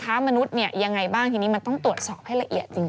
มนุษย์เนี่ยยังไงบ้างทีนี้มันต้องตรวจสอบให้ละเอียดจริง